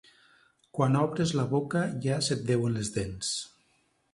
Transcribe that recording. Quan obres la boca ja se't veuen les dents.